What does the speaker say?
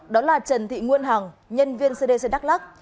đó là trần thị nguyên hằng nhân viên cdc đắk lắc